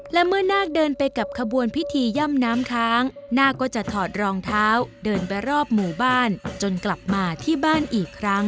และเมื่อนาคเดินไปกับขบวนพิธีย่ำน้ำค้างนาคก็จะถอดรองเท้าเดินไปรอบหมู่บ้านจนกลับมาที่บ้านอีกครั้ง